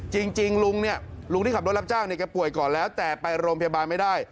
จริงลุงที่ขับรถรับจ้างก็ป่วยก่อนแล้วแต่ไปโรงพยาบาลไม่ได้